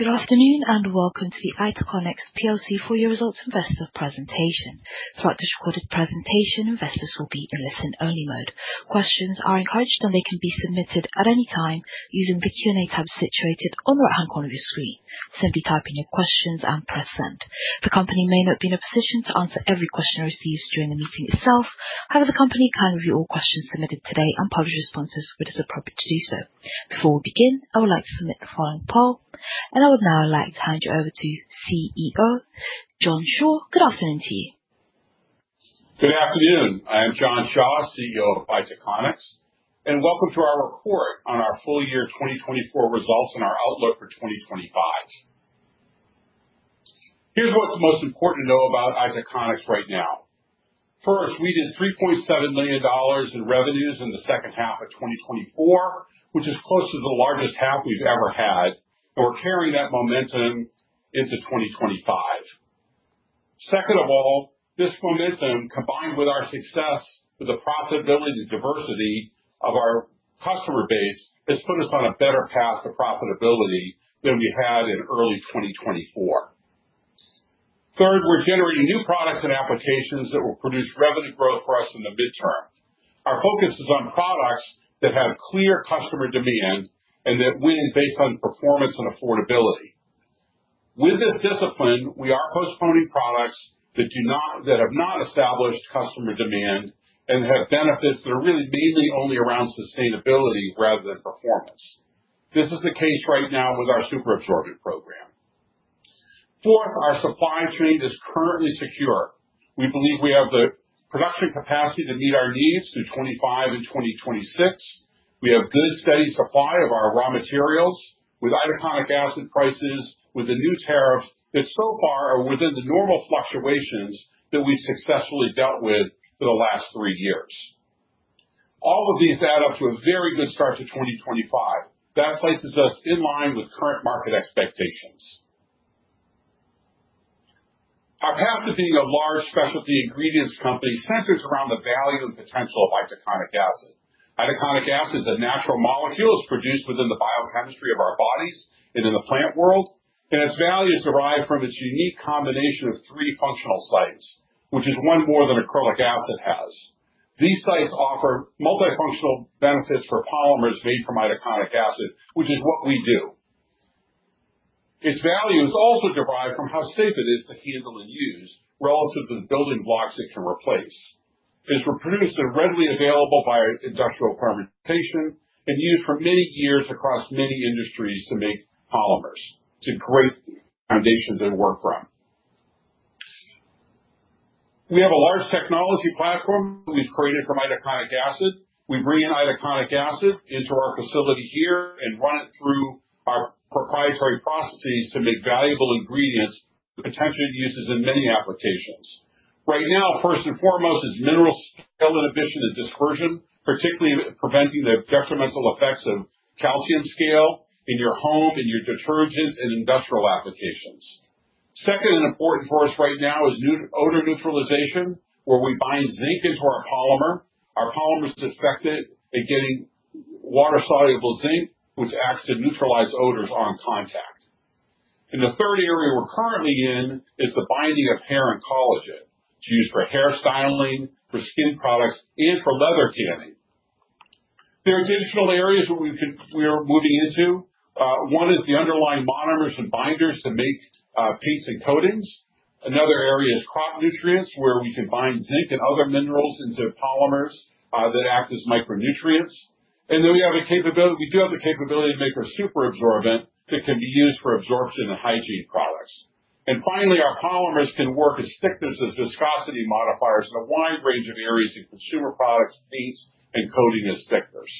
Good afternoon, and welcome to the Itaconix plc Full Year Results Investor Presentation. Throughout this recorded presentation, investors will be in listen only mode. Questions are encouraged, and they can be submitted at any time using the Q&A tab situated on the right-hand corner of your screen. Simply type in your questions and press send. The company may not be in a position to answer every question received during the meeting itself. The company can review all questions submitted today and publish responses where it is appropriate to do so. Before we begin, I would like to submit the following poll, and I would now like to hand you over to CEO John Shaw. Good afternoon to you. Good afternoon. I am John Shaw, CEO of Itaconix, welcome to our report on our Full Year 2024 Results and our Outlook for 2025. Here's what's most important to know about Itaconix right now. First, we did $3.7 million in revenues in the second half of 2024, which is close to the largest half we've ever had, and we're carrying that momentum into 2025. This momentum, combined with our success with the profitability and diversity of our customer base, has put us on a better path to profitability than we had in early 2024. Third, we're generating new products and applications that will produce revenue growth for us in the midterm. Our focus is on products that have clear customer demand and that win based on performance and affordability. With this discipline, we are postponing products that have not established customer demand and have benefits that are really mainly only around sustainability rather than performance. This is the case right now with our superabsorbent program. Fourth, our supply chain is currently secure. We believe we have the production capacity to meet our needs through 2025 and 2026. We have good, steady supply of our raw materials with itaconic acid prices with the new tariffs that so far are within the normal fluctuations that we've successfully dealt with for the last three years. All of these add up to a very good start to 2025. That places us in line with current market expectations. Our path to being a large specialty ingredients company centers around the value and potential of itaconic acid. Itaconic acid is a natural molecule that's produced within the biochemistry of our bodies and in the plant world, and its value is derived from its unique combination of three functional sites, which is one more than acrylic acid has. These sites offer multifunctional benefits for polymers made from itaconic acid, which is what we do. Its value is also derived from how safe it is to handle and use relative to the building blocks it can replace. It is produced and readily available via industrial fermentation and used for many years across many industries to make polymers. It's a great foundation to work from. We have a large technology platform we've created from itaconic acid. We bring in itaconic acid into our facility here and run it through our proprietary processes to make valuable ingredients with potential uses in many applications. Right now, first and foremost is mineral scale inhibition and dispersion, particularly preventing the detrimental effects of calcium scale in your home, in your detergent, and industrial applications. Second, important for us right now is odor neutralization, where we bind zinc into our polymer. Our polymer is effective at getting water-soluble zinc, which acts to neutralize odors on contact. The third area we're currently in is the binding of hair and collagen to use for hair styling, for skin products, and for leather tanning. There are additional areas where we are moving into. One is the underlying monomers and binders to make paints and coatings. Another area is crop nutrients, where we can bind zinc and other minerals into polymers that act as micronutrients. Then we do have the capability to make our superabsorbent that can be used for absorption and hygiene products. Our polymers can work as thickeners and viscosity modifiers in a wide range of areas in consumer products, paints, and coating as thickeners.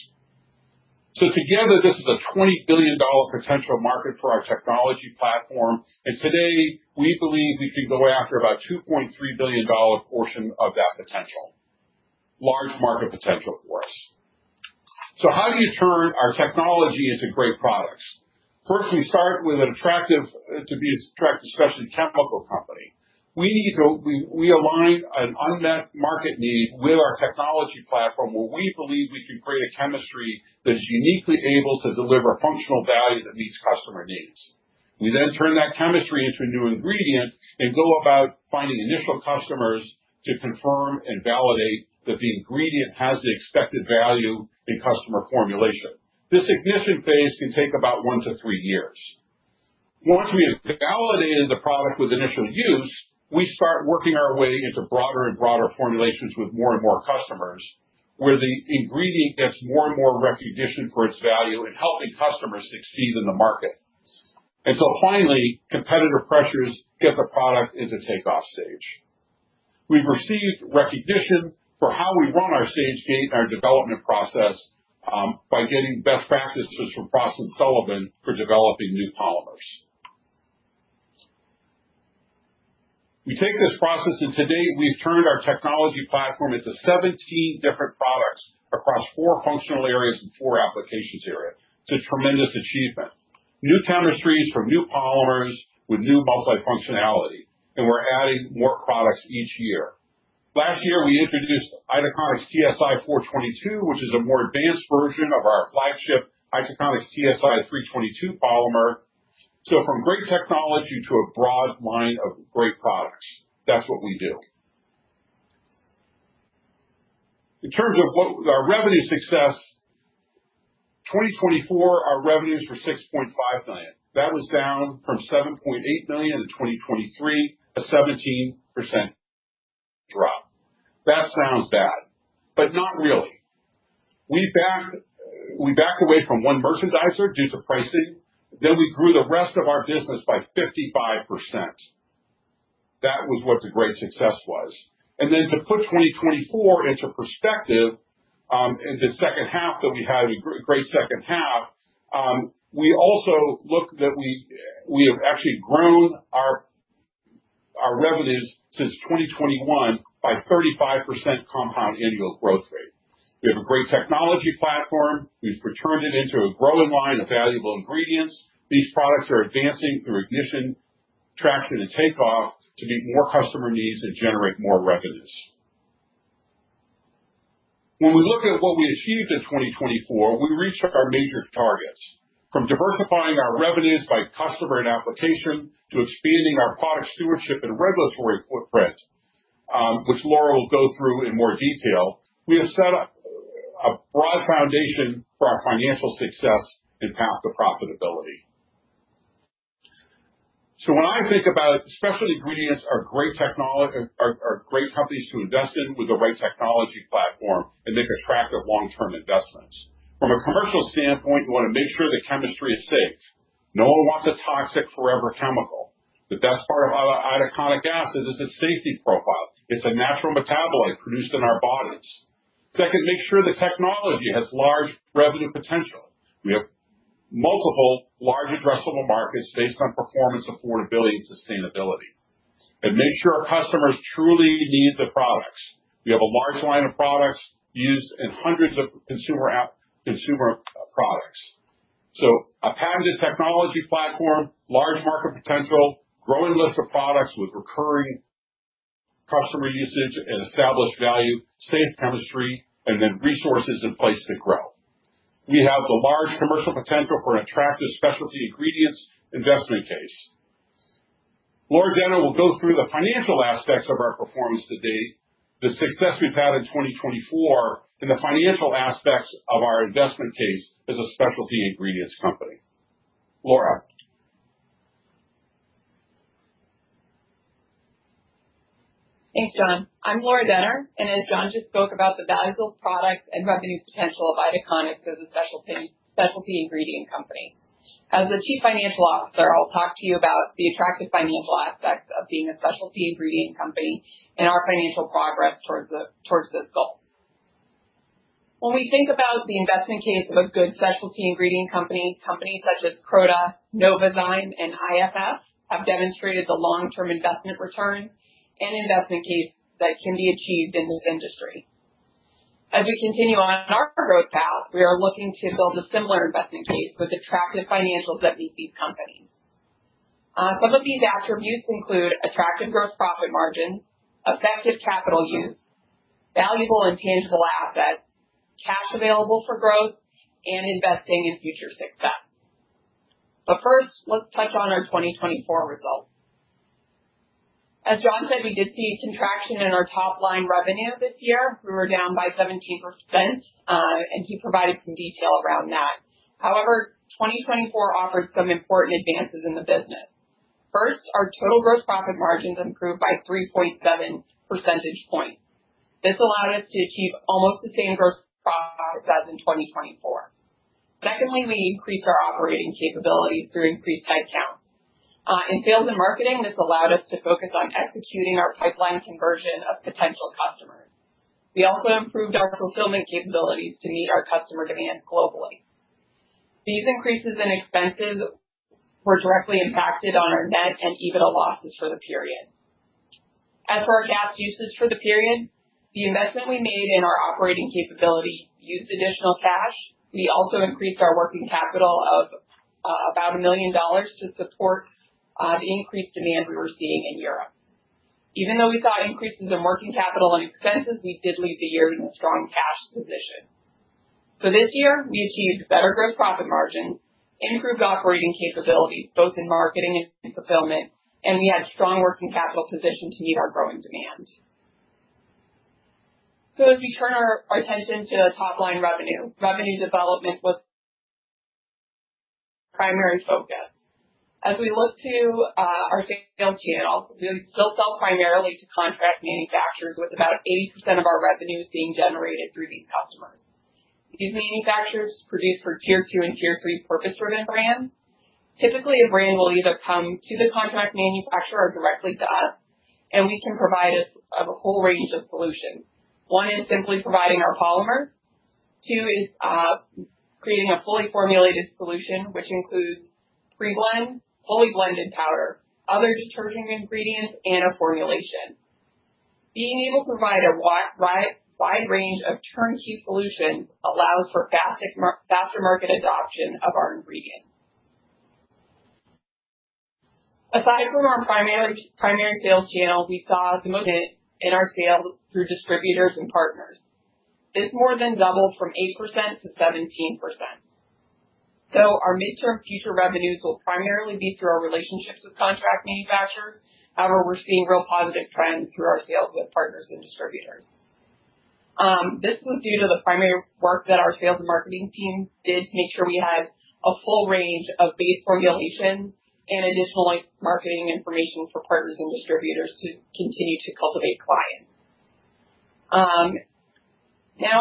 Together, this is a GBP 20 billion potential market for our technology platform, and today, we believe we can go after about GBP 2.3 billion portion of that potential. Large market potential for us. How do you turn our technology into great products? First, we start with an attractive specialty chemical company. We align an unmet market need with our technology platform, where we believe we can create a chemistry that is uniquely able to deliver functional value that meets customer needs. Turn that chemistry into a new ingredient and go about finding initial customers to confirm and validate that the ingredient has the expected value in customer formulation. This ignition phase can take about one to three years. Once we have validated the product with initial use, we start working our way into broader and broader formulations with more and more customers, where the ingredient gets more and more recognition for its value in helping customers succeed in the market. Finally, competitor pressures get the product into takeoff stage. We've received recognition for how we run our Stage-Gate and our development process, by getting best practices from Frost & Sullivan for developing new polymers. We take this process, to date, we've turned our technology platform into 17 different products across four functional areas and four applications areas. It's a tremendous achievement. New chemistries from new polymers with new multifunctionality, we're adding more products each year. Last year, we introduced Itaconix TSI 422, which is a more advanced version of our flagship Itaconix TSI 322 polymer. From great technology to a broad line of great products, that's what we do. In terms of what our revenue success, 2024, our revenues were $6.5 million. That was down from $7.8 million in 2023, a 17% drop. That sounds bad, but not really. We backed away from one merchandiser due to pricing, then we grew the rest of our business by 55%. That was what the great success was. To put 2024 into perspective, into second half, that we had a great second half, we also look that we have actually grown our revenues since 2021 by 35% compound annual growth rate. We have a great technology platform. We've turned it into a growing line of valuable ingredients. These products are advancing through ignition, traction, and takeoff to meet more customer needs and generate more revenues. We look at what we achieved in 2024, we reached our major targets. From diversifying our revenues by customer and application, to expanding our product stewardship and regulatory footprint, which Laura will go through in more detail, we have set up a broad foundation for our financial success and path to profitability. When I think about it, specialty ingredients are great companies to invest in with the right technology platform and make attractive long-term investments. From a commercial standpoint, you want to make sure the chemistry is safe. No one wants a toxic forever chemical. The best part about itaconic acid is its safety profile. It's a natural metabolite produced in our bodies. Second, make sure the technology has large revenue potential. We have multiple large addressable markets based on performance, affordability, and sustainability. Make sure our customers truly need the products. We have a large line of products used in hundreds of consumer products. A patented technology platform, large market potential, growing list of products with recurring customer usage and established value, safe chemistry, resources in place to grow. We have the large commercial potential for an attractive specialty ingredients investment case. Laura Denner will go through the financial aspects of our performance to date, the success we've had in 2024, and the financial aspects of our investment case as a specialty ingredients company. Laura? Thanks, John. I'm Laura Denner. As John just spoke about the valuable products and revenue potential of Itaconix as a specialty ingredient company. As the Chief Financial Officer, I'll talk to you about the attractive financial aspects of being a specialty ingredient company and our financial progress towards this goal. When we think about the investment case of a good specialty ingredient company, companies such as Croda, Novozymes, and IFF have demonstrated the long-term investment return and investment case that can be achieved in this industry. As we continue on our growth path, we are looking to build a similar investment case with attractive financials that meet these companies. Some of these attributes include attractive gross profit margin, effective capital use, valuable and tangible assets, cash available for growth, and investing in future success. First, let's touch on our 2024 results. As John said, we did see contraction in our top-line revenue this year. We were down by 17%, and he provided some detail around that. However, 2024 offered some important advances in the business. First, our total gross profit margins improved by 3.7 percentage points. This allowed us to achieve almost the same gross profit as in 2024. Secondly, we increased our operating capabilities through increased headcount. In sales and marketing, this allowed us to focus on executing our pipeline conversion of potential customers. We also improved our fulfillment capabilities to meet our customer demand globally. These increases in expenses were directly impacted on our net and EBITDA losses for the period. As for our cash usage for the period, the investment we made in our operating capability used additional cash. We also increased our working capital of about $1 million to support the increased demand we were seeing in Europe. We saw increases in working capital and expenses, we did leave the year in a strong cash position. This year, we achieved better gross profit margins, improved operating capabilities, both in marketing and fulfillment, and we had strong working capital position to meet our growing demand. As we turn our attention to top-line revenue development was the primary focus. As we look to our sales channels, we still sell primarily to contract manufacturers, with about 80% of our revenue being generated through these customers. These manufacturers produce for tier two and tier three purpose-driven brands. Typically, a brand will either come to the contract manufacturer or directly to us, and we can provide a whole range of solutions. One is simply providing our polymer. Two is creating a fully formulated solution, which includes pre-blend, fully blended powder, other deterging ingredients, and a formulation. Being able to provide a wide range of turnkey solutions allows for faster market adoption of our ingredients. Aside from our primary sales channel, we saw the most in our sales through distributors and partners. This more than doubled from 8% to 17%. Our mid-term future revenues will primarily be through our relationships with contract manufacturers. However, we're seeing real positive trends through our sales with partners and distributors. This was due to the primary work that our sales and marketing team did to make sure we had a full range of base formulations and additional marketing information for partners and distributors to continue to cultivate clients.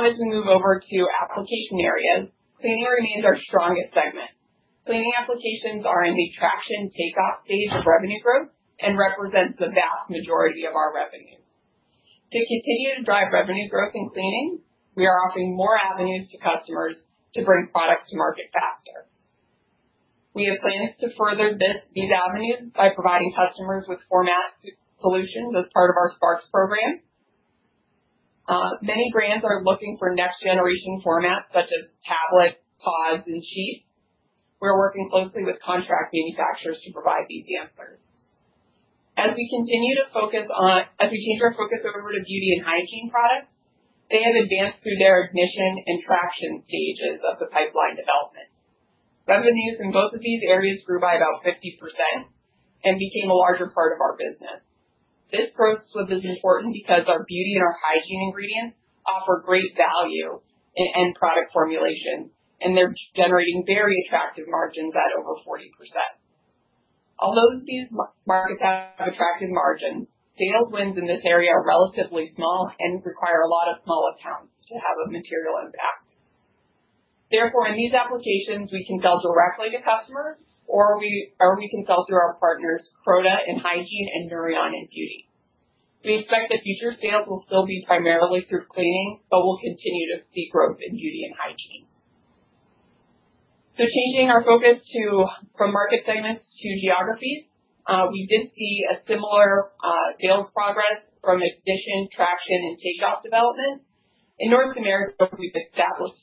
As we move over to application areas, cleaning remains our strongest segment. Cleaning applications are in the traction takeoff stage of revenue growth and represents the vast majority of our revenue. To continue to drive revenue growth in cleaning, we are offering more avenues to customers to bring products to market faster. We have plans to further these avenues by providing customers with format solutions as part of our SPARX program. Many brands are looking for next-generation formats such as tablets, pods, and sheets. We're working closely with contract manufacturers to provide these answers. As we change our focus over to beauty and hygiene products, they have advanced through their ignition and traction stages of the pipeline development. Revenues in both of these areas grew by about 50% and became a larger part of our business. This growth was as important because our beauty and our hygiene ingredients offer great value in end product formulation, and they're generating very attractive margins at over 40%. Although these markets have attractive margins, sales wins in this area are relatively small and require a lot of small accounts to have a material impact. Therefore, in these applications, we can sell directly to customers or we can sell through our partners, Croda in hygiene and Nouryon in beauty. We expect that future sales will still be primarily through cleaning, but we'll continue to see growth in beauty and hygiene. Changing our focus from market segments to geographies, we did see a similar sales progress from ignition, traction, and takeoff development. In North America, we've established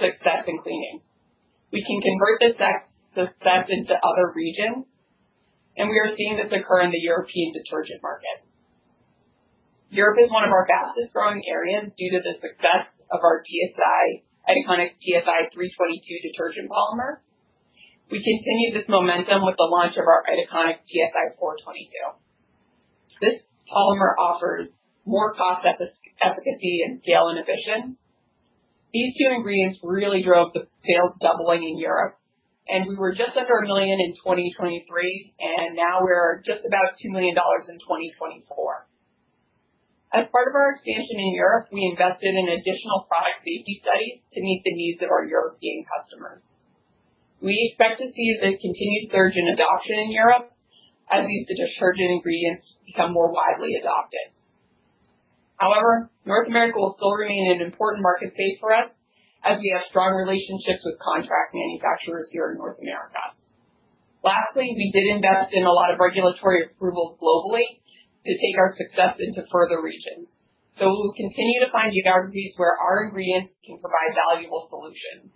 success in cleaning. We can convert this success into other regions, and we are seeing this occur in the European detergent market. Europe is one of our fastest-growing areas due to the success of our Itaconix TSI 322 detergent polymer. We continue this momentum with the launch of our Itaconix TSI 422. This polymer offers more cost efficacy and scale inhibition. These two ingredients really drove the sales doubling in Europe, and we were just under $1 million in 2023, and now we're just about $2 million in 2024. As part of our expansion in Europe, we invested in additional product safety studies to meet the needs of our European customers. We expect to see this continued surge in adoption in Europe as these detergent ingredients become more widely adopted. However, North America will still remain an important market space for us as we have strong relationships with contract manufacturers here in North America. Lastly, we did invest in a lot of regulatory approvals globally to take our success into further regions. We will continue to find geographies where our ingredients can provide valuable solutions.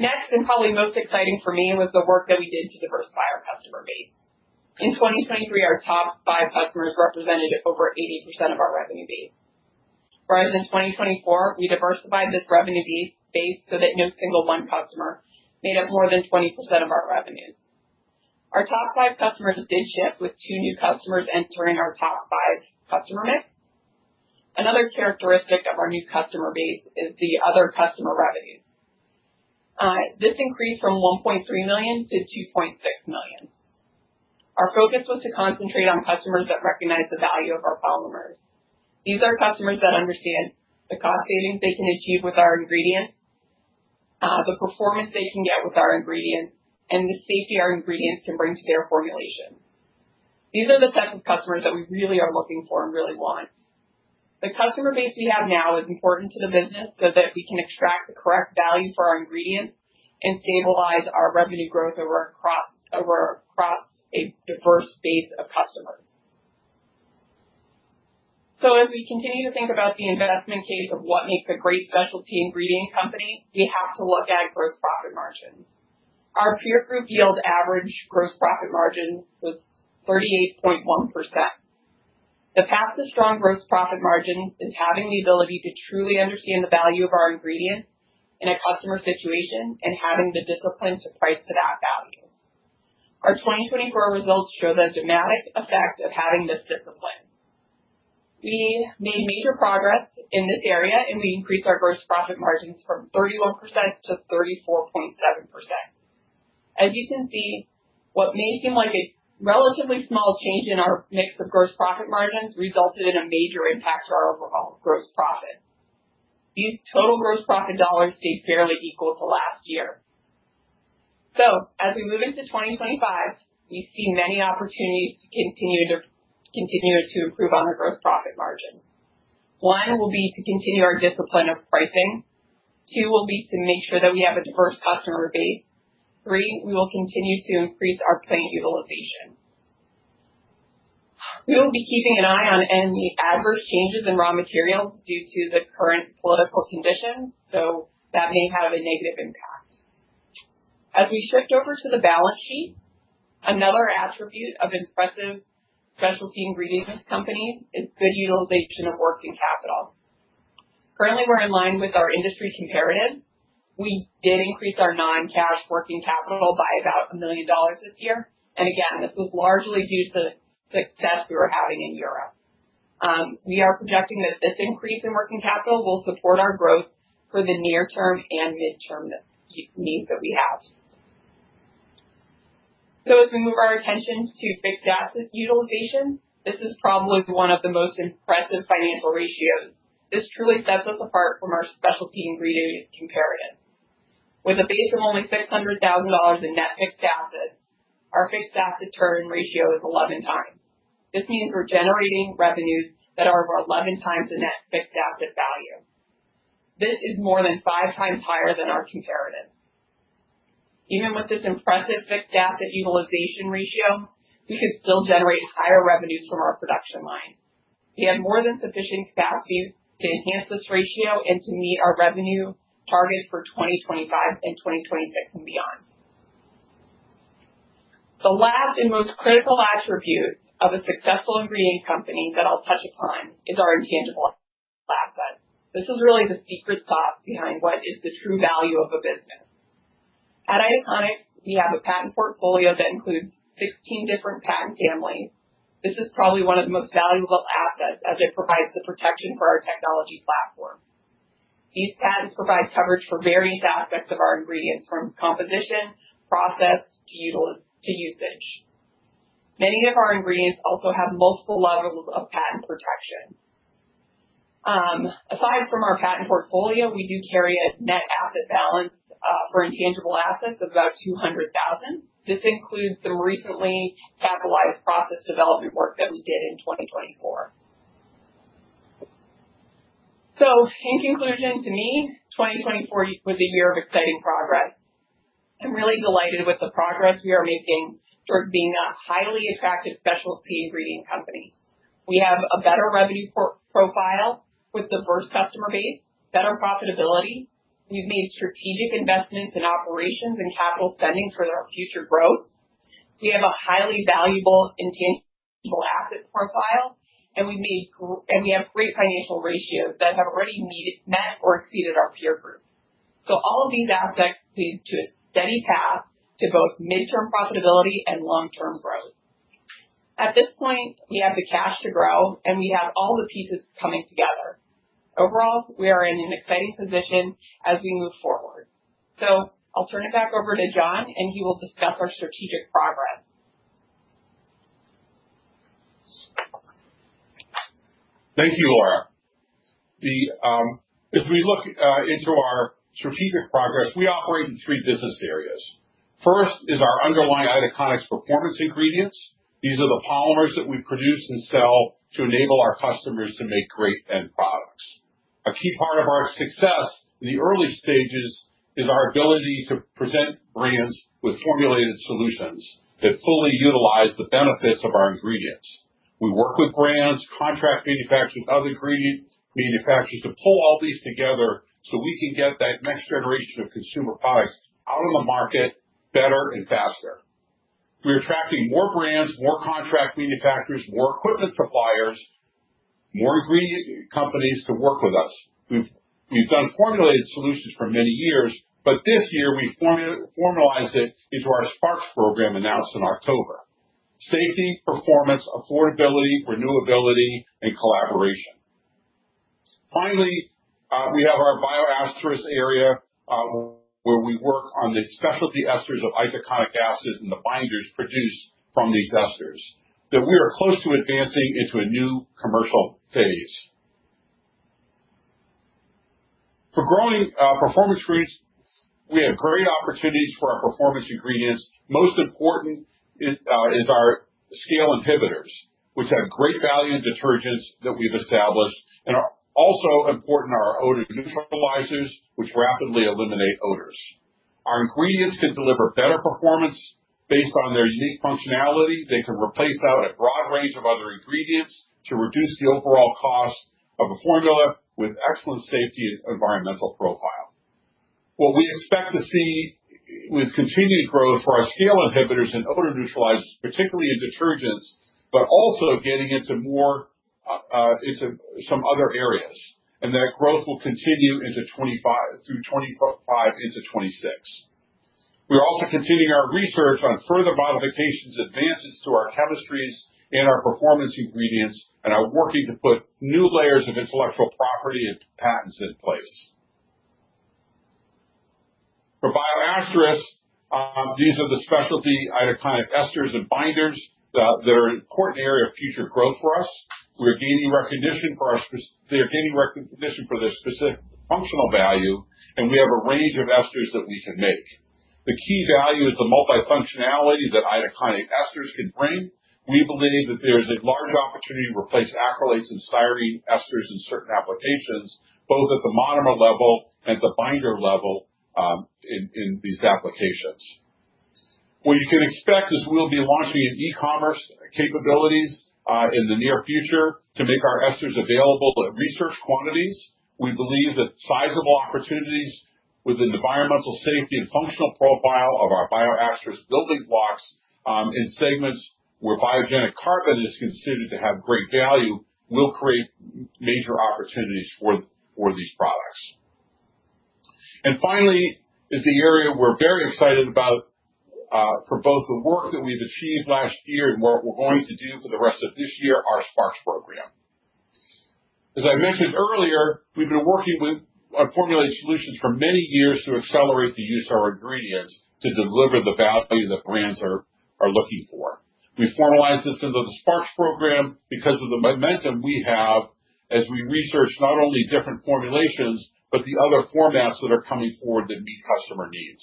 Next, and probably most exciting for me, was the work that we did to diversify our customer base. In 2023, our top five customers represented over 80% of our revenue base. Whereas in 2024, we diversified this revenue base so that no single one customer made up more than 20% of our revenue. Our top five customers did shift, with two new customers entering our top five customer mix. Another characteristic of our new customer base is the other customer revenue. This increased from $1.3 million to $2.6 million. Our focus was to concentrate on customers that recognize the value of our polymers. These are customers that understand the cost savings they can achieve with our ingredients, the performance they can get with our ingredients, and the safety our ingredients can bring to their formulation. These are the types of customers that we really are looking for and really want. The customer base we have now is important to the business so that we can extract the correct value for our ingredients and stabilize our revenue growth over across a diverse base of customers. As we continue to think about the investment case of what makes a great specialty ingredient company, we have to look at gross profit margins. Our peer group yield average gross profit margins was 38.1%. The path to strong gross profit margins is having the ability to truly understand the value of our ingredients in a customer situation and having the discipline to price to that value. Our 2024 results show the dramatic effect of having this discipline. We made major progress in this area, and we increased our gross profit margins from 31% to 34.7%. As you can see, what may seem like a relatively small change in our mix of gross profit margins resulted in a major impact to our overall gross profit. These total gross profit dollars stayed fairly equal to last year. As we move into 2025, we see many opportunities to continue to improve on our gross profit margin. One will be to continue our discipline of pricing. Two will be to make sure that we have a diverse customer base. Three, we will continue to increase our plant utilization. We will be keeping an eye on any adverse changes in raw materials due to the current political conditions. That may have a negative impact. We shift over to the balance sheet, another attribute of impressive specialty ingredients companies is good utilization of working capital. Currently, we're in line with our industry comparative. We did increase our non-cash working capital by about $1 million this year. Again, this was largely due to the success we were having in Europe. We are projecting that this increase in working capital will support our growth for the near term and midterm needs that we have. As we move our attention to fixed asset utilization, this is probably one of the most impressive financial ratios. This truly sets us apart from our specialty ingredient comparatives. With a base of only $600,000 in net fixed assets, our fixed asset turnover ratio is 11x. This means we're generating revenues that are over 11x the net fixed asset value. This is more than 5x higher than our comparatives. Even with this impressive fixed asset utilization ratio, we could still generate higher revenues from our production line. We have more than sufficient capacity to enhance this ratio and to meet our revenue targets for 2025 and 2026 and beyond. The last and most critical attribute of a successful ingredient company that I'll touch upon is our intangible assets. This is really the secret sauce behind what is the true value of a business. At Itaconix, we have a patent portfolio that includes 16 different patent families. This is probably one of the most valuable assets as it provides the protection for our technology platform. These patents provide coverage for various aspects of our ingredients, from composition, process, to usage. Many of our ingredients also have multiple levels of patent protection. Aside from our patent portfolio, we do carry a net asset balance for intangible assets of about 200,000. This includes some recently capitalized process development work that we did in 2024. In conclusion, to me, 2024 was a year of exciting progress. I'm really delighted with the progress we are making towards being a highly attractive specialty ingredient company. We have a better revenue profile with diverse customer base, better profitability. We've made strategic investments in operations and capital spending for our future growth. We have a highly valuable intangible asset profile, and we have great financial ratios that have already met or exceeded our peer group. All of these aspects lead to a steady path to both midterm profitability and long-term growth. At this point, we have the cash to grow, and we have all the pieces coming together. Overall, we are in an exciting position as we move forward. I'll turn it back over to John, and he will discuss our strategic progress. Thank you, Laura. As we look into our strategic progress, we operate in three business areas. First is our underlying Itaconix performance ingredients. These are the polymers that we produce and sell to enable our customers to make great end products. A key part of our success in the early stages is our ability to present brands with formulated solutions that fully utilize the benefits of our ingredients. We work with brands, contract manufacturers, other ingredient manufacturers to pull all these together so we can get that next generation of consumer products out on the market better and faster. We're attracting more brands, more contract manufacturers, more equipment suppliers, more ingredient companies to work with us. We've done formulated solutions for many years, but this year we formalized it into our SPARX program announced in October. Safety, performance, affordability, renewability, and collaboration. Finally, we have our BIO*Asterix area, where we work on the specialty esters of itaconic acids and the binders produced from these esters that we are close to advancing into a new commercial phase. For growing performance ingredients, we have great opportunities for our performance ingredients. Most important is our scale inhibitors, which have great value in detergents that we've established, and are also important are our odor neutralizers, which rapidly eliminate odors. Our ingredients can deliver better performance based on their unique functionality. They can replace out a broad range of other ingredients to reduce the overall cost of a formula with excellent safety and environmental profile. What we expect to see with continued growth for our scale inhibitors and odor neutralizers, particularly in detergents, but also getting into some other areas. That growth will continue through 2025 into 2026. We're also continuing our research on further modifications, advances to our chemistries and our performance ingredients, and are working to put new layers of intellectual property and patents in place. For BIO*Asterix, these are the specialty itaconic esters and binders that are an important area of future growth for us. They are gaining recognition for their specific functional value, and we have a range of esters that we can make. The key value is the multi-functionality that itaconic esters can bring. We believe that there's a large opportunity to replace acrylates and styrene esters in certain applications, both at the monomer level and at the binder level in these applications. What you can expect is we'll be launching an e-commerce capability in the near future to make our esters available at research quantities. We believe that sizable opportunities within the environmental safety and functional profile of our BIO*Asterix building blocks in segments where biogenic carbon is considered to have great value will create major opportunities for these products. Finally, is the area we're very excited about for both the work that we've achieved last year and what we're going to do for the rest of this year, our SPARX program. As I mentioned earlier, we've been working with formulating solutions for many years to accelerate the use of our ingredients to deliver the value that brands are looking for. We formalized this into the SPARX program because of the momentum we have as we research not only different formulations, but the other formats that are coming forward that meet customer needs.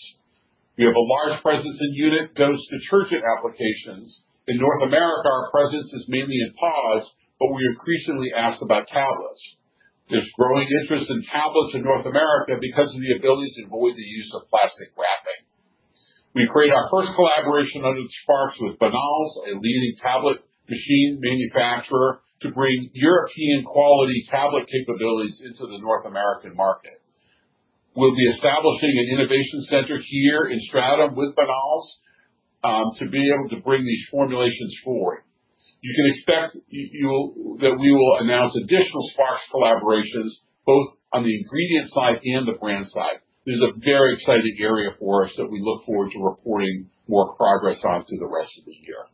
We have a large presence in unit dose detergent applications. In North America, our presence is mainly in pods, but we're increasingly asked about tablets. There's growing interest in tablets in North America because of the ability to avoid the use of plastic wrapping. We created our first collaboration under SPARX with Bonals, a leading tablet machine manufacturer, to bring European quality tablet capabilities into the North American market. We'll be establishing an innovation center here in Stratham with Bonals, to be able to bring these formulations forward. You can expect that we will announce additional SPARX collaborations both on the ingredient side and the brand side. This is a very exciting area for us that we look forward to reporting more progress on through the rest of this year.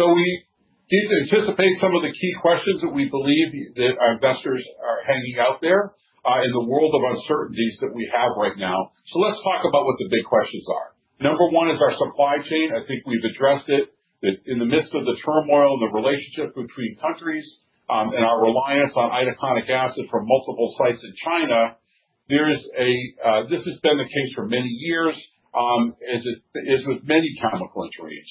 We did anticipate some of the key questions that we believe that our investors are hanging out there, in the world of uncertainties that we have right now. Let's talk about what the big questions are. Number one is our supply chain. I think we've addressed it, that in the midst of the turmoil in the relationship between countries, and our reliance on itaconic acid from multiple sites in China, this has been the case for many years, as it is with many chemical entries.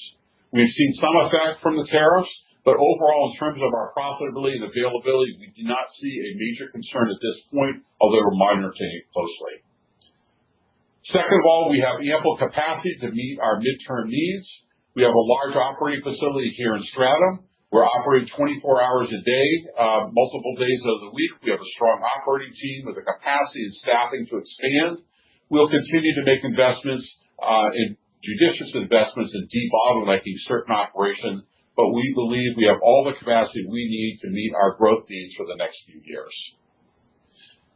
We've seen some effect from the tariffs, overall, in terms of our profitability and availability, we do not see a major concern at this point, although we're monitoring it closely. Second of all, we have ample capacity to meet our midterm needs. We have a large operating facility here in Stratham. We're operating 24 hours a day, multiple days of the week. We have a strong operating team with the capacity and staffing to expand. We'll continue to make judicious investments in debottlenecking certain operations, but we believe we have all the capacity we need to meet our growth needs for the next few years.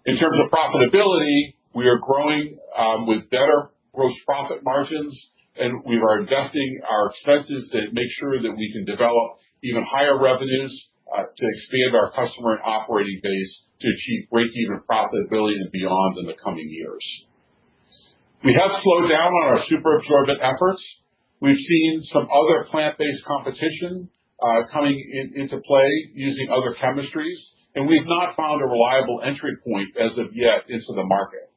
In terms of profitability, we are growing with better gross profit margins, and we are investing our expenses to make sure that we can develop even higher revenues, to expand our customer and operating base to achieve breakeven profitability and beyond in the coming years. We have slowed down on our superabsorbent efforts. We've seen some other plant-based competition coming into play using other chemistries, and we've not found a reliable entry point as of yet into the market.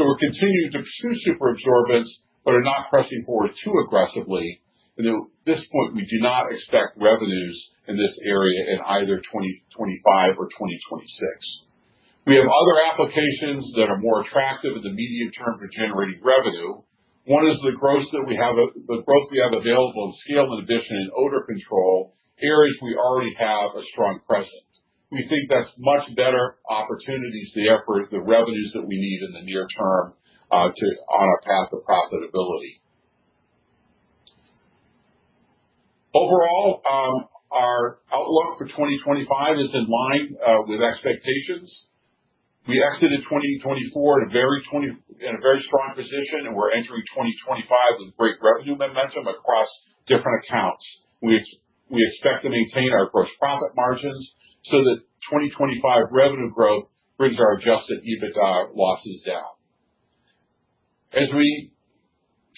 We're continuing to pursue superabsorbents, but are not pressing forward too aggressively. At this point, we do not expect revenues in this area in either 2025 or 2026. We have other applications that are more attractive in the medium-term for generating revenue. One is the growth we have available in scale inhibition and odor control, areas we already have a strong presence. We think that's much better opportunities, the effort, the revenues that we need in the near term on our path to profitability. Overall, our outlook for 2025 is in line with expectations. We exited 2024 in a very strong position, and we're entering 2025 with great revenue momentum across different accounts. We expect to maintain our gross profit margins so that 2025 revenue growth brings our adjusted EBITDA losses down. As we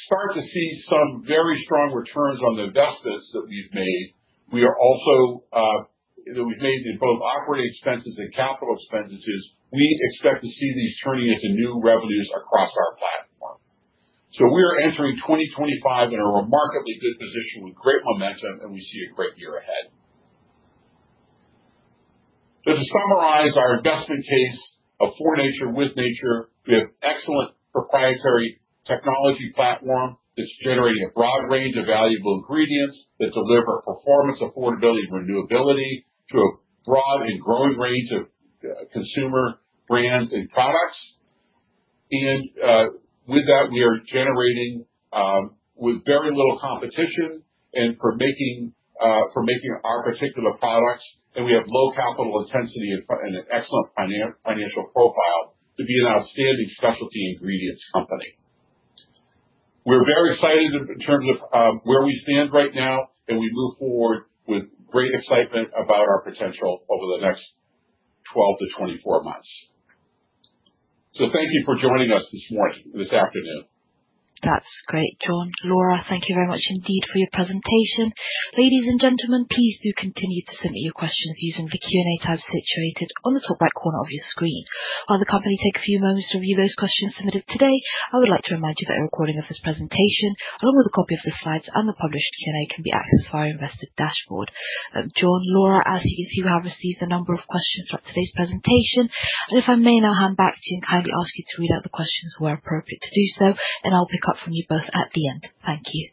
start to see some very strong returns on the investments that we've made in both operating expenses and capital expenditures, we expect to see these turning into new revenues across our platform. We are entering 2025 in a remarkably good position with great momentum, and we see a great year ahead. To summarize our investment case of For Nature with Nature, we have excellent proprietary technology platform that's generating a broad range of valuable ingredients that deliver performance, affordability, and renewability to a broad and growing range of consumer brands and products. With that, we are generating with very little competition for making our particular products, and we have low capital intensity and an excellent financial profile to be an outstanding specialty ingredients company. We're very excited in terms of where we stand right now, and we move forward with great excitement about our potential over the next 12-24 months. Thank you for joining us this afternoon. That's great, John. Laura, thank you very much indeed for your presentation. Ladies and gentlemen, please do continue to submit your questions using the Q&A tab situated on the top right corner of your screen. While the company takes a few moments to review those questions submitted today, I would like to remind you that a recording of this presentation, along with a copy of the slides and the published Q&A, can be accessed via our investor dashboard. John, Laura, as you have received a number of questions throughout today's presentation, and if I may now hand back to you and kindly ask you to read out the questions where appropriate to do so, and I'll pick up from you both at the end. Thank you.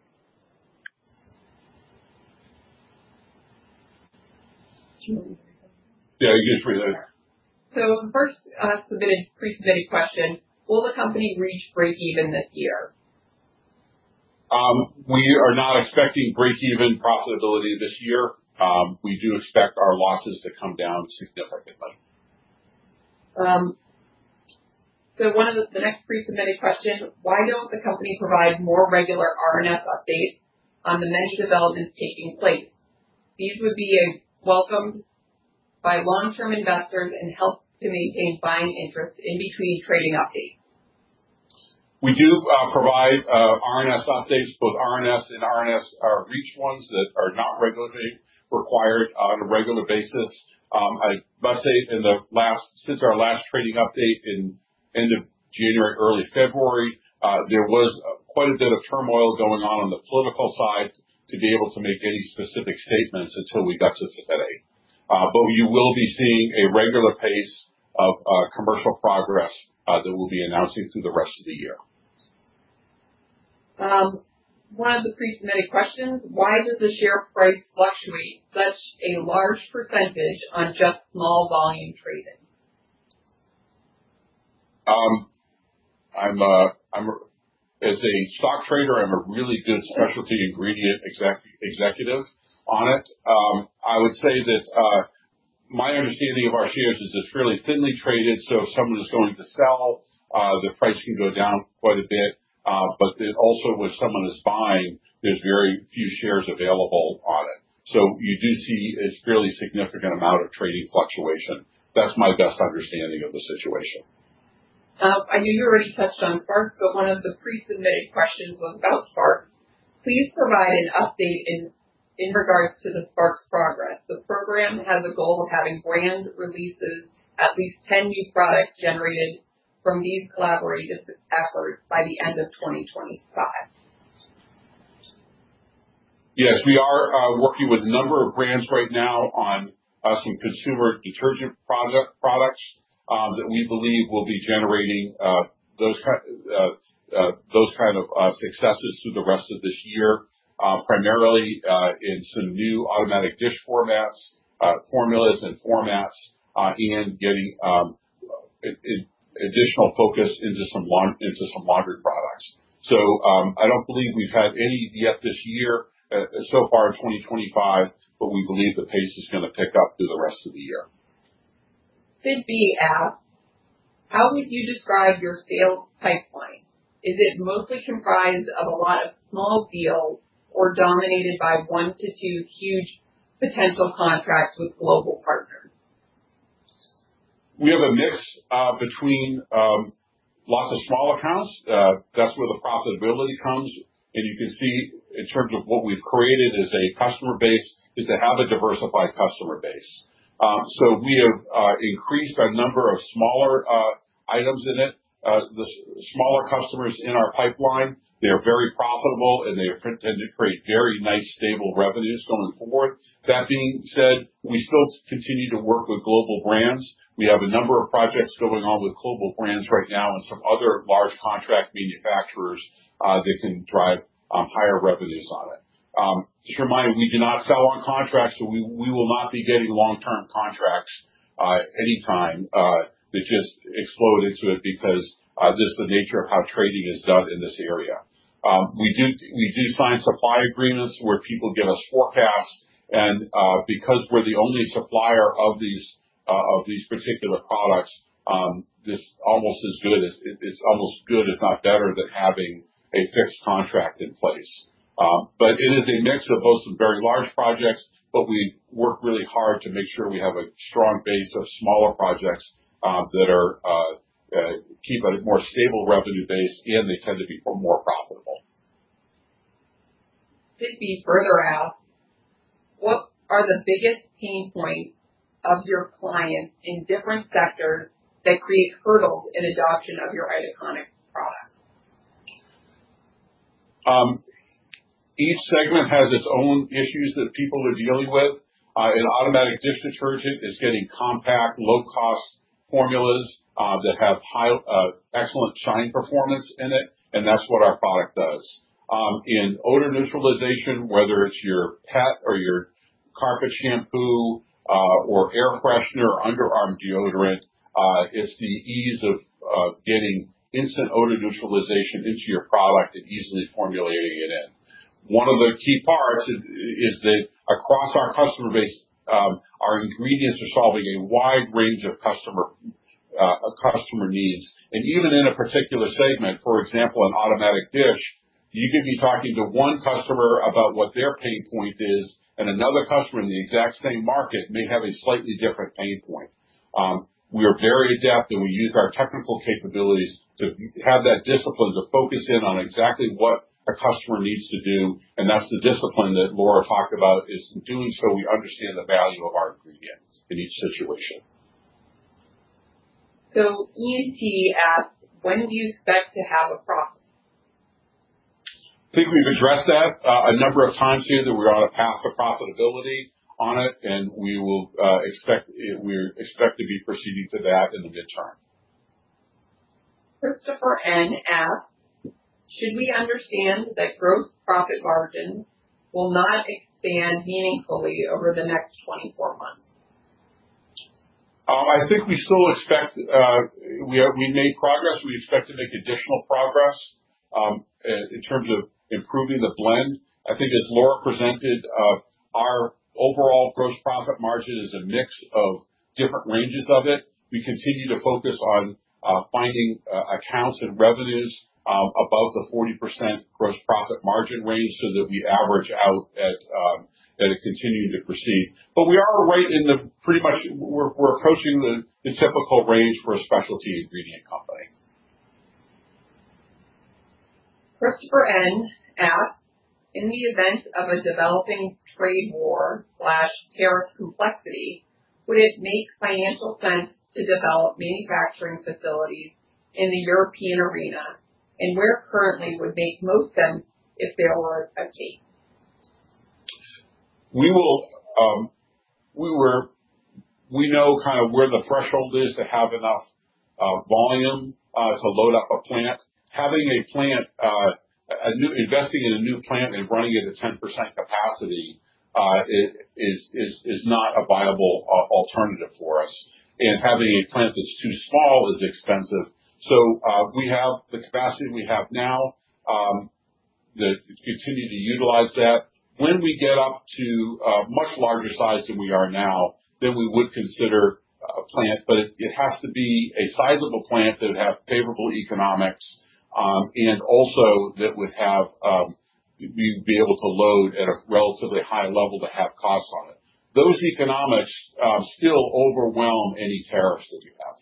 Do you want me to read? Yeah, you can read them. The first pre-submitted question, will the company reach breakeven this year? We are not expecting breakeven profitability this year. We do expect our losses to come down significantly. The next pre-submitted question, why don't the company provide more regular RNS updates on the many developments taking place? These would be welcomed by long-term investors and help to maintain buying interest in between trading updates. We do provide RNS updates, both RNS and RNS Reach ones that are not regularly required on a regular basis. I must say, since our last trading update in end of January, early February, there was quite a bit of turmoil going on on the political side to be able to make any specific statements until we got to today. You will be seeing a regular pace of commercial progress that we'll be announcing through the rest of the year. One of the pre-submitted questions, why does the share price fluctuate such a large percentage on just small volume trading? As a stock trader, I'm a really good specialty ingredient executive on it. I would say that my understanding of our shares is it's really thinly traded, so if someone is going to sell, the price can go down quite a bit. Also when someone is buying, there's very few shares available on it. You do see a fairly significant amount of trading fluctuation. That's my best understanding of the situation. I know you already touched on SPARX, but one of the pre-submitted questions was about SPARX. Please provide an update in regards to the SPARX progress. The program has a goal of having brand releases at least 10 new products generated from these collaborative efforts by the end of 2025. Yes, we are working with a number of brands right now on some consumer detergent products that we believe will be generating those kind of successes through the rest of this year. Primarily, in some new automatic dish formulas and formats, and getting additional focus into some laundry products. I don't believe we've had any yet this year so far in 2025, but we believe the pace is going to pick up through the rest of the year. [Sid B] asks, "How would you describe your sales pipeline? Is it mostly comprised of a lot of small deals or dominated by one to two huge potential contracts with global partners? We have a mix between lots of small accounts. That's where the profitability comes. You can see in terms of what we've created as a customer base, is to have a diversified customer base. We have increased our number of smaller items in it. The smaller customers in our pipeline, they are very profitable, and they intend to create very nice stable revenues going forward. That being said, we still continue to work with global brands. We have a number of projects going on with global brands right now and some other large contract manufacturers that can drive higher revenues on it. Just a reminder, we do not sell on contracts, we will not be getting long-term contracts anytime that just explode into it because, just the nature of how trading is done in this area. We do sign supply agreements where people give us forecasts and, because we're the only supplier of these particular products, it's almost good, if not better, than having a fixed contract in place. It is a mix of both some very large projects, but we work really hard to make sure we have a strong base of smaller projects that keep a more stable revenue base, and they tend to be more profitable. [Sid B] further asks, "What are the biggest pain points of your clients in different sectors that create hurdles in adoption of your Itaconix products? Each segment has its own issues that people are dealing with. In automatic dish detergent, it's getting compact, low-cost formulas that have excellent shine performance in it, and that's what our product does. In odor neutralization, whether it's your pet or your carpet shampoo, or air freshener, underarm deodorant, it's the ease of getting instant odor neutralization into your product and easily formulating it in. One of the key parts is that across our customer base, our ingredients are solving a wide range of customer needs. Even in a particular segment, for example, in automatic dish, you could be talking to one customer about what their pain point is, and another customer in the exact same market may have a slightly different pain point. We are very adept, and we use our technical capabilities to have that discipline to focus in on exactly what a customer needs to do, and that's the discipline that Laura talked about is in doing so, we understand the value of our ingredients in each situation. [Ian T] asked, "When do you expect to have a profit? I think we've addressed that a number of times here, that we're on a path of profitability on it, and we expect to be proceeding to that in the midterm. [Christopher N] asks, "Should we understand that gross profit margins will not expand meaningfully over the next 24 months? I think we still expect. We have made progress. We expect to make additional progress in terms of improving the blend. I think as Laura presented, our overall gross profit margin is a mix of different ranges of it. We continue to focus on finding accounts and revenues above the 40% gross profit margin range so that we average out as it continue to proceed. We are right in the, pretty much, we're approaching the typical range for a specialty ingredient company. [Christopher N] asks, "In the event of a developing trade war/tariff complexity, would it make financial sense to develop manufacturing facilities in the European arena? Where currently would make most sense if there were a case? We know kind of where the threshold is to have enough volume to load up a plant. Investing in a new plant and running it at 10% capacity is not a viable alternative for us. Having a plant that's too small is expensive. We have the capacity we have now, that continue to utilize that. When we get up to a much larger size than we are now, then we would consider a plant. It has to be a sizable plant that would have favorable economics, and also that we'd be able to load at a relatively high level to have costs on it. Those economics still overwhelm any tariffs that we have.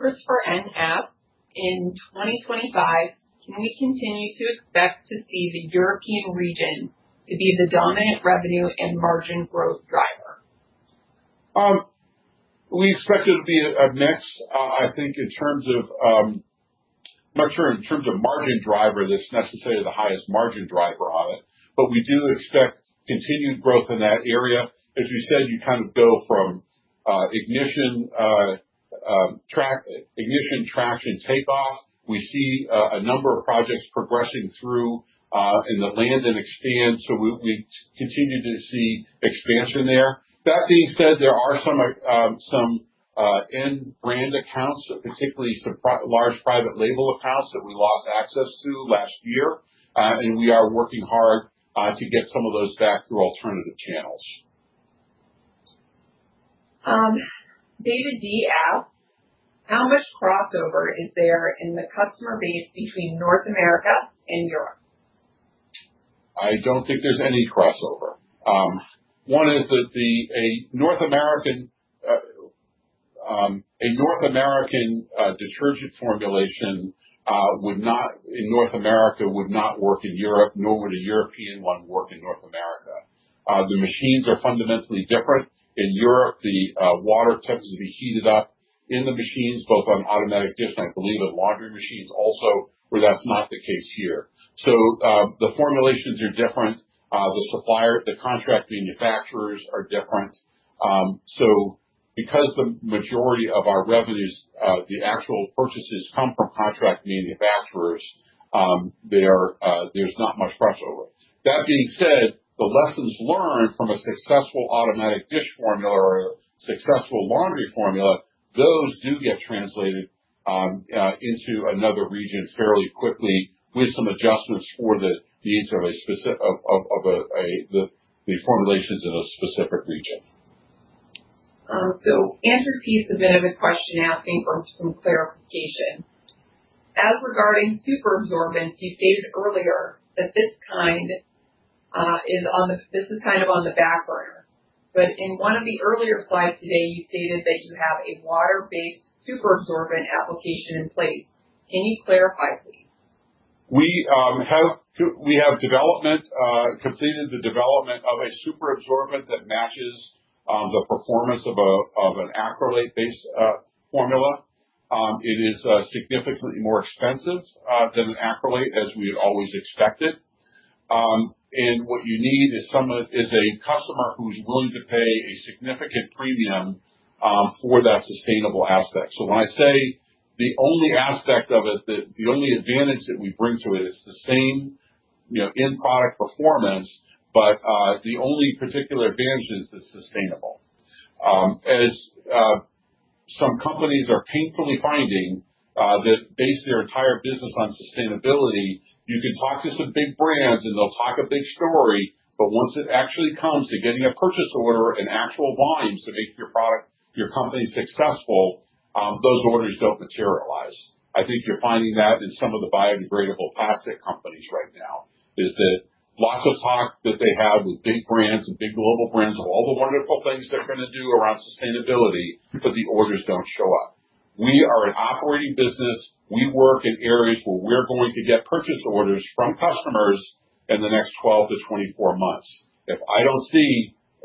[Christopher N] asks, "In 2025, can we continue to expect to see the European region to be the dominant revenue and margin growth driver? We expect it to be up next. I'm not sure in terms of margin driver, that's necessarily the highest margin driver on it, but we do expect continued growth in that area. As you said, you kind of go from ignition, traction, takeoff. We see a number of projects progressing through in the land and expand. We continue to see expansion there. That being said, there are some end brand accounts, particularly some large private label accounts that we lost access to last year. We are working hard to get some of those back through alternative channels. [David D] asks, "How much crossover is there in the customer base between North America and Europe? I don't think there's any crossover. One is that a North American detergent formulation in North America would not work in Europe, nor would a European one work in North America. The machines are fundamentally different. In Europe, the water tends to be heated up in the machines, both on automatic dish, and I believe in laundry machines also, where that's not the case here. The formulations are different. The contract manufacturers are different. Because the majority of our revenues, the actual purchases come from contract manufacturers, there's not much crossover. That being said, the lessons learned from a successful automatic dish formula or a successful laundry formula, those do get translated into another region fairly quickly with some adjustments for the needs of the formulations in a specific region. [Andrew P] submitted a question asking for some clarification. "As regarding superabsorbents, you stated earlier that this is kind of on the back burner. But in one of the earlier slides today, you stated that you have a water-based superabsorbent application in place. Can you clarify, please? We have completed the development of a superabsorbent that matches the performance of an acrylate-based formula. It is significantly more expensive than acrylate, as we had always expected. What you need is a customer who's willing to pay a significant premium for that sustainable aspect. When I say the only aspect of it that the only advantage that we bring to it is the same end product performance, but the only particular advantage is it's sustainable. As some companies are painfully finding that base their entire business on sustainability, you can talk to some big brands, and they'll talk a big story, but once it actually comes to getting a purchase order and actual volumes to make your company successful, those orders don't materialize. I think you're finding that in some of the biodegradable plastic companies right now, is that lots of talk that they have with big brands and big global brands of all the wonderful things they're going to do around sustainability, but the orders don't show up. We are an operating business. We work in areas where we're going to get purchase orders from customers in the next 12-24 months. If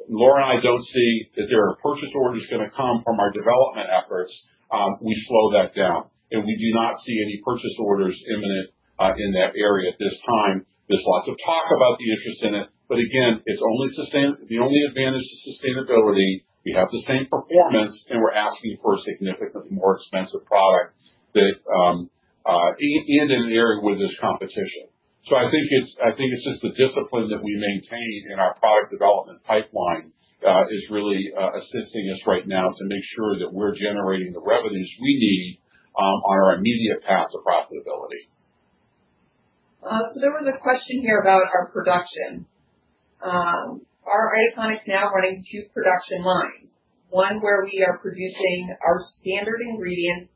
Laura and I don't see that there are purchase orders going to come from our development efforts, we slow that down. We do not see any purchase orders imminent in that area at this time. There's lots of talk about the interest in it, but again, the only advantage to sustainability, we have the same performance, and we're asking for a significantly more expensive product and in an area where there's competition. I think it's just the discipline that we maintain in our product development pipeline is really assisting us right now to make sure that we're generating the revenues we need on our immediate path to profitability. There was a question here about our production. Are Itaconix now running two production lines, one where we are producing our standard ingredients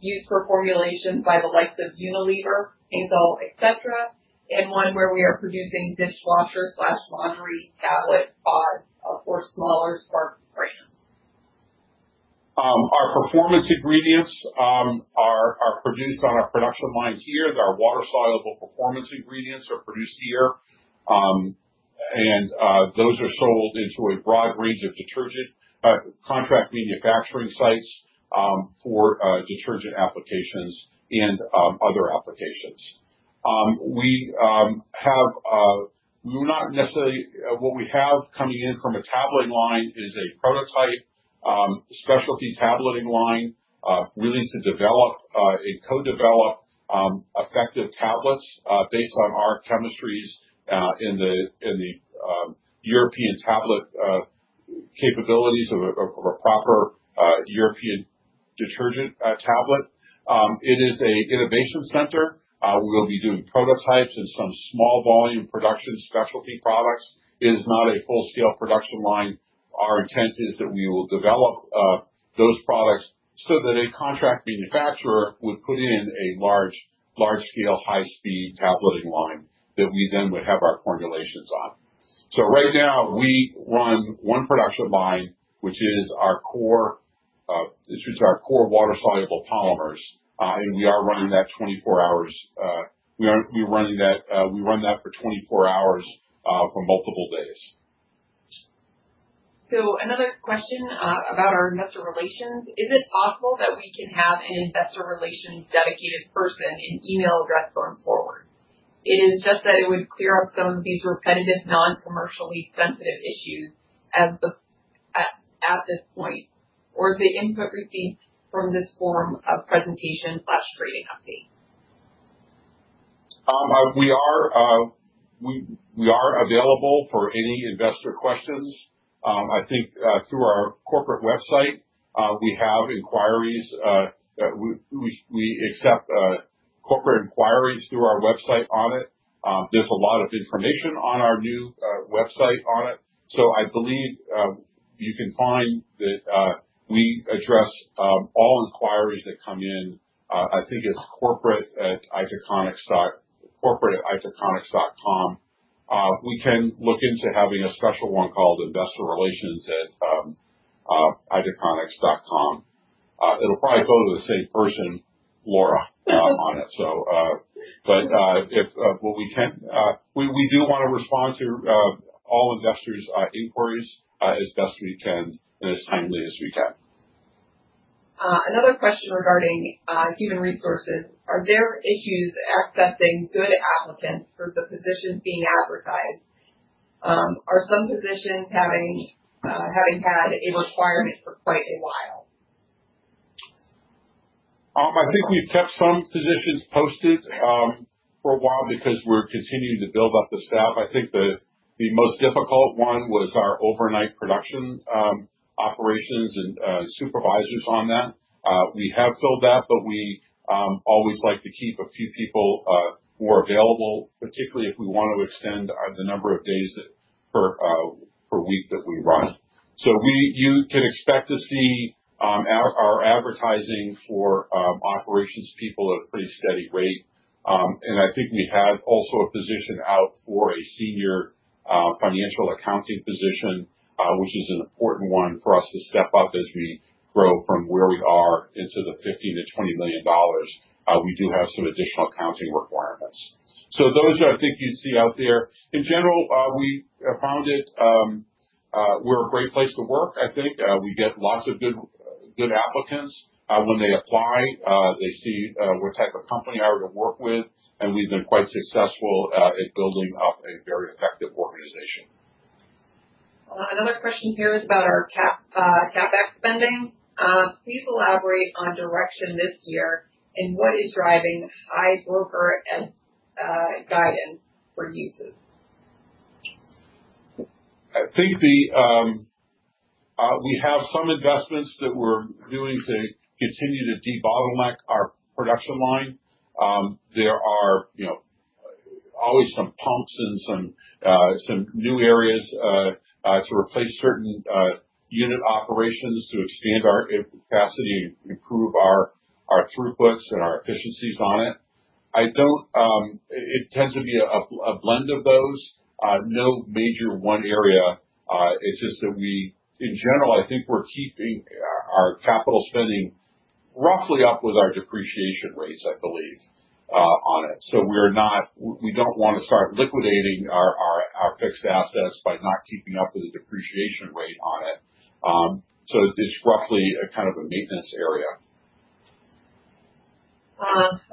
used for formulation by the likes of Unilever, Henkel, et cetera, and one where we are producing dishwasher/laundry tablet pods for smaller SPARX brands? Our performance ingredients are produced on our production lines here. Our water-soluble performance ingredients are produced here. Those are sold into a broad range of contract manufacturing sites for detergent applications and other applications. What we have coming in from a tableting line is a prototype, specialty tableting line, really to co-develop effective tablets based on our chemistries in the European tablet capabilities of a proper European detergent tablet. It is an innovation center. We'll be doing prototypes and some small volume production specialty products. It is not a full-scale production line. Our intent is that we will develop those products so that a contract manufacturer would put in a large scale, high-speed tableting line that we then would have our formulations on. Right now we run one production line, which is our core water-soluble polymers, and we run that for 24 hours for multiple days. Another question about our investor relations. Is it possible that we can have an investor relations dedicated person and email address going forward? It is just that it would clear up some of these repetitive, non-commercially sensitive issues at this point. Is the input received from this form of presentation/trading update? We are available for any investor questions. I think through our corporate website, we accept corporate inquiries through our website on it. There's a lot of information on our new website on it. I believe you can find that we address all inquiries that come in. I think it's corporate@itaconix.com. We can look into having a special one called investorrelations@itaconix.com. It'll probably go to the same person, Laura, on it. We do want to respond to all investors' inquiries as best we can and as timely as we can. Another question regarding human resources. Are there issues accessing good applicants for the positions being advertised? Are some positions having had a requirement for quite a while? I think we've kept some positions posted for a while because we're continuing to build up the staff. I think the most difficult one was our overnight production operations and supervisors on that. We have filled that, but we always like to keep a few people who are available, particularly if we want to extend the number of days per week that we run. You can expect to see our advertising for operations people at a pretty steady rate. I think we have also a position out for a senior financial accounting position, which is an important one for us to step up as we grow from where we are into the $15 million-$20 million. We do have some additional accounting requirements. Those, I think you see out there. In general, we found we're a great place to work, I think. We get lots of good applicants when they apply. They see what type of company they are going to work with, and we've been quite successful at building up a very effective organization. Another question here is about our CapEx spending. Please elaborate on direction this year and what is driving high broader guidance for uses. I think we have some investments that we're doing to continue to de-bottleneck our production line. There are always some pumps and some new areas to replace certain unit operations to expand our capacity and improve our throughputs and our efficiencies on it. It tends to be a blend of those. No major one area. It's just that we, in general, I think we're keeping our capital spending roughly up with our depreciation rates, I believe, on it. We don't want to start liquidating our fixed assets by not keeping up with the depreciation rate on it. It's roughly a kind of a maintenance area.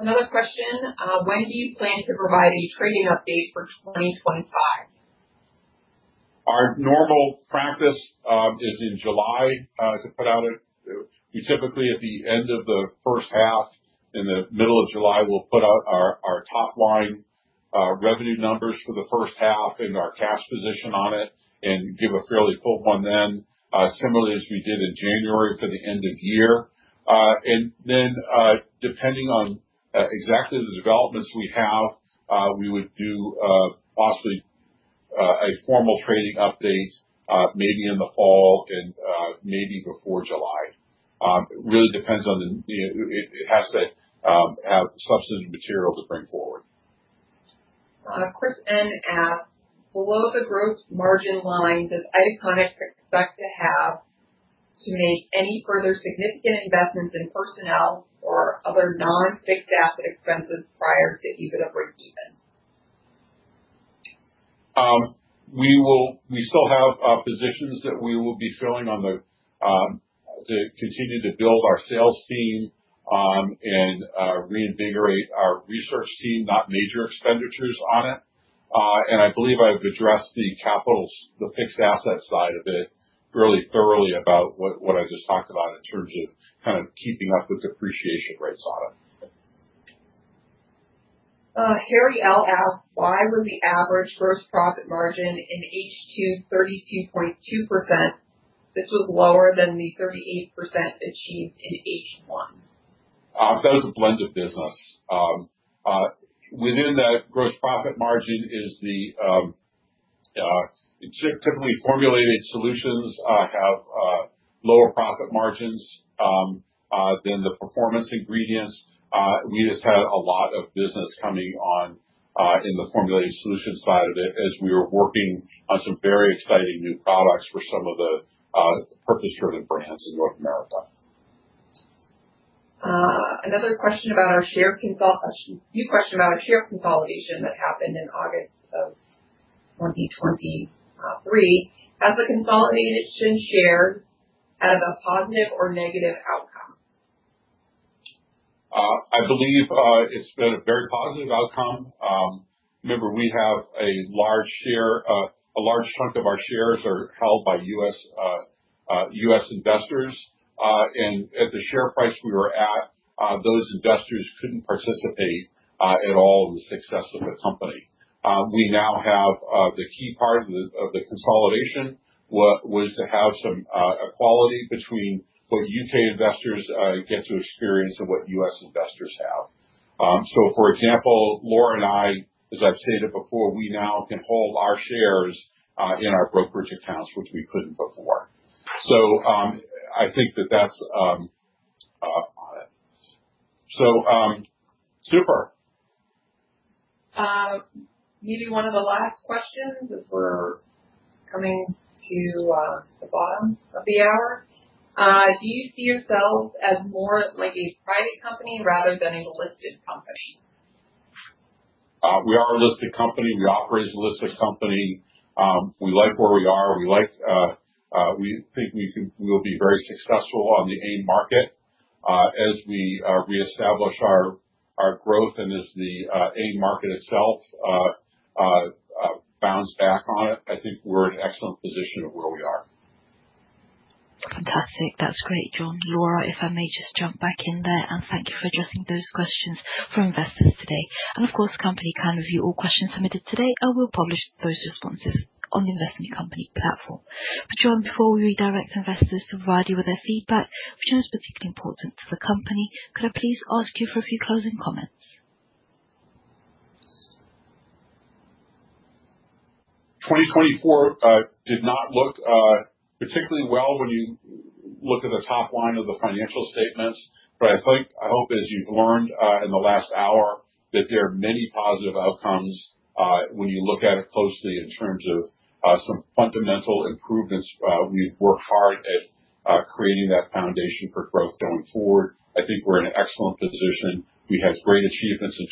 Another question. When do you plan to provide a trading update for 2025? We typically, at the end of the first half, in the middle of July, will put out our top-line revenue numbers for the first half and our cash position on it and give a fairly full one then. Similarly, as we did in January for the end of year. Then, depending on exactly the developments we have, we would do possibly a formal trading update, maybe in the fall and maybe before July. It has to have substantive material to bring forward. [Chris N] asks, "Below the group's margin line, does Itaconix expect to have to make any further significant investments in personnel or other non-fixed asset expenses prior to EBITDA breakeven? We still have positions that we will be filling to continue to build our sales team, and reinvigorate our research team. Not major expenditures on it. I believe I've addressed the fixed asset side of it really thoroughly about what I just talked about in terms of kind of keeping up with depreciation rates on them. [Harry L] asks, "Why were the average gross profit margin in H2 32.2%? This was lower than the 38% achieved in H1. That is a blend of business. Within that gross profit margin, typically, formulated solutions have lower profit margins than the performance ingredients. We just had a lot of business coming on in the formulated solutions side of it as we were working on some very exciting new products for some of the purpose-driven brands in North America. A few questions about our share consolidation that happened in August of 2023. Has the consolidation shared had a positive or negative outcome? I believe it's been a very positive outcome. Remember, we have a large share. A large chunk of our shares are held by U.S. investors. At the share price we were at, those investors couldn't participate at all in the success of the company. The key part of the consolidation was to have some equality between what U.K. investors get to experience and what U.S. investors have. For example, Laura and I, as I've stated before, we now can hold our shares in our brokerage accounts, which we couldn't before. I think that that's on it. Super. Maybe one of the last questions as we're coming to the bottom of the hour. Do you see yourselves as more like a private company rather than a listed company? We are a listed company. We operate as a listed company. We like where we are. We think we will be very successful on the AIM market. As we reestablish our growth and as the AIM market itself bounce back on it, I think we're in an excellent position of where we are. Fantastic. That's great, John. Laura, if I may just jump back in there, and thank you for addressing those questions from investors today. Of course, the company can review all questions submitted today and will publish those responses on the Investment Company platform. John, before we redirect investors to provide you with their feedback, which is particularly important to the company, could I please ask you for a few closing comments? 2024 did not look particularly well when you look at the top line of the financial statements. I hope as you've learned in the last hour, that there are many positive outcomes when you look at it closely in terms of some fundamental improvements. We've worked hard at creating that foundation for growth going forward. I think we're in an excellent position. We had great achievements in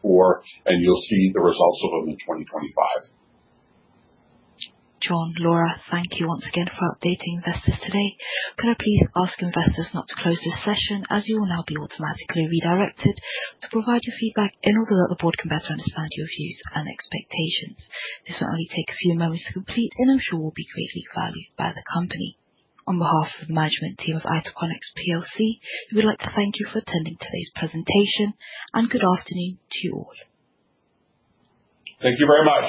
2024, and you'll see the results of them in 2025. John, Laura, thank you once again for updating investors today. Could I please ask investors not to close this session, as you will now be automatically redirected to provide your feedback in order that the board can better understand your views and expectations. This will only take a few moments to complete and I'm sure will be greatly valued by the company. On behalf of the management team of Itaconix plc, we would like to thank you for attending today's presentation, and good afternoon to you all. Thank you very much